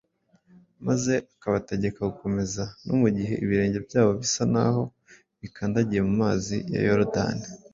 maze akabategeka gukomeza no mu gihe ibirenge byabo bisa n’aho bikandagiye mu mazi ya Yorodani